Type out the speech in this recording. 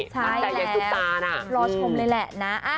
ใช่แล้วรอชมเลยแหละนะ